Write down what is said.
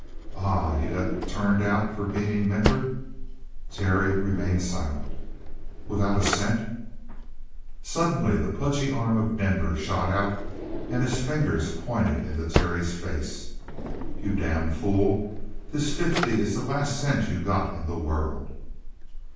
"Ah! You got turned out for beaning Minter?" Terry remained silent. "Without a cent?" Suddenly the pudgy arm of Denver shot out and his finger pointed into Terry's face. "You damn fool! This fifty is the last cent you got in the world!"